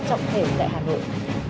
trọng thể tại hà nội